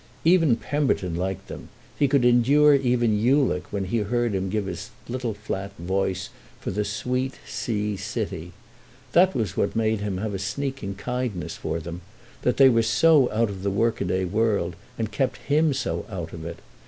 Even Pemberton liked them then; he could endure even Ulick when he heard him give his little flat voice for the "sweet sea city." That was what made him have a sneaking kindness for them—that they were so out of the workaday world and kept him so out of it.